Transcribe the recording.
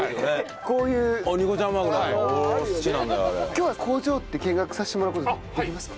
今日は工場って見学させてもらう事できますか？